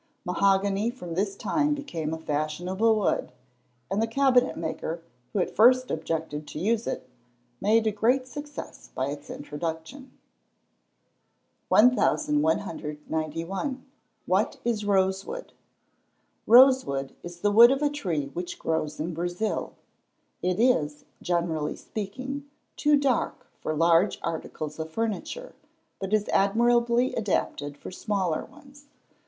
Mahogany from this time became a fashionable wood, and the cabinet maker, who at first objected to use it, made a great success by its introduction. 1191. What is rose wood? Rosewood is the wood of a tree which grows in Brazil. It is, generally speaking, too dark for large articles of furniture, but is admirably adapted for smaller ones.